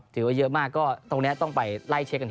ถือว่าเยอะมากก็ตรงนี้ต้องไปไล่เช็คกัน